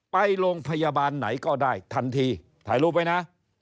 ไปโรงพยาบาลไหนก็ได้ทันทีถ่ายรูปไว้นะ